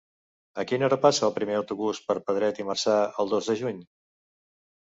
A quina hora passa el primer autobús per Pedret i Marzà el dos de juny?